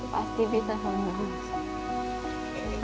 pasti bisa sembuh